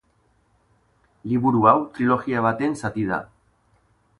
Liburu hau trilogia baten zati da.